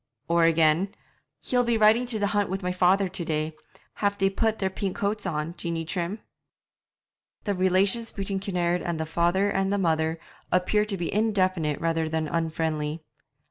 Or again: 'He'll be riding to the hunt with my father to day; have they put their pink coats on, Jeanie Trim?' The relations between Kinnaird and the father and mother appeared to be indefinite rather than unfriendly.